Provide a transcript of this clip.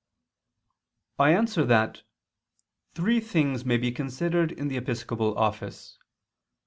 I answer that, Three things may be considered in the episcopal office.